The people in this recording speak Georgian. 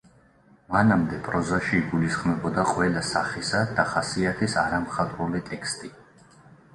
მანამდე პროზაში იგულისხმებოდა ყველა სახისა და ხასიათის არამხატვრული ტექსტი.